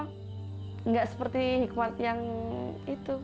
tidak seperti hikmat yang itu